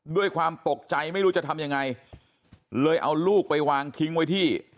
ด้วยความตกใจไม่รู้จะทำยังไงเลยเอาลูกไปวางทิ้งไว้ที่